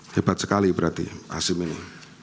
hebat sekali berarti hasim ini